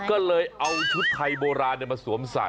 ก็เลยเอาชุดไทยโบราณมาสวมใส่